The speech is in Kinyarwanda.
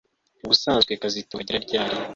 Ubusanzwe kazitunga agera ryari